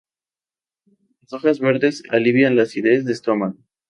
Las hojas verdes alivian la acidez de estómago.